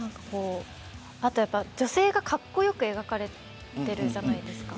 あと女性がかっこよく描かれている作品です。